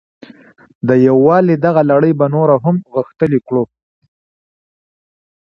د یووالي دغه لړۍ به نوره هم غښتلې کړو.